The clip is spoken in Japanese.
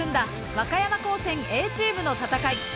和歌山高専Ａチームの戦い。